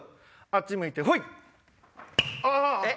あっち向いてホイ！